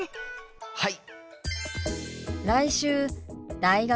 はい！